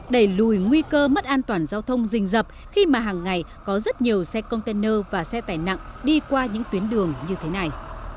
đẩy lùi nguy cơ mất an toàn giao thông rình dập khi mà hàng ngày có rất nhiều xe container và xe tải nặng đi qua những tuyến đường như thế này